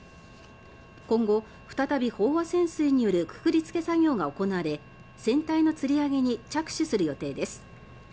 今後、再び飽和潜水によるくくりつけ作業が行われ船体のつり上げに着手する予定です。